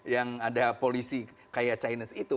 yang ada polisi kayak chinese itu